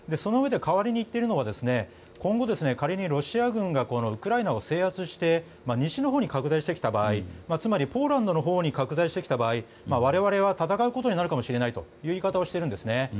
代わりに今後、仮にロシア軍がウクライナを制圧して西のほうに拡大してきた場合つまりポーランドのほうに拡大してきた場合我々は戦うことになるかもしれないという言い方をしているんです。